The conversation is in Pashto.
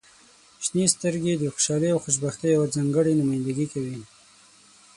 • شنې سترګې د خوشحالۍ او خوشبختۍ یوه ځانګړې نمایندګي کوي.